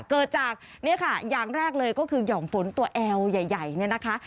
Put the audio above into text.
เกิดจากอย่างแรกเลยก็คือย่อมฝนตัวแอลใหญ่นะคะ